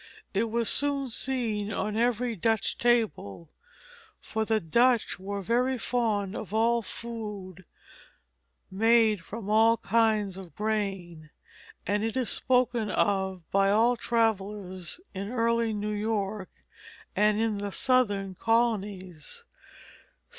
It was soon seen on every Dutch table, for the Dutch were very fond of all foods made from all kinds of grain; and it is spoken of by all travellers in early New York, and in the Southern colonies.